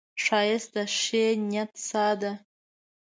ښایست د ښې نیت ساه ده